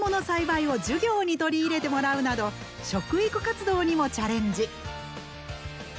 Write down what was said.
栽培を授業に取り入れてもらうなど食育活動にもチャレンジ。